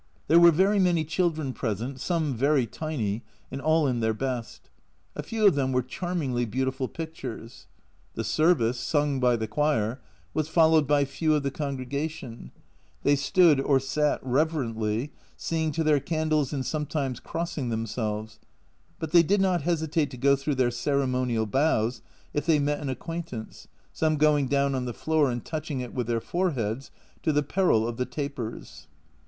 There were very many children present, some very tiny, and all in their best. A few of them were charmingly beautiful pictures. The service, sung by the choir, was followed by few of the congregation ; they stood or sat reverently, seeing to their candles and sometimes crossing themselves, but they did not hesitate to go through their ceremonial bows if they met an acquaintance, some going down on the floor and touching it with their foreheads, to the peril of the tapers.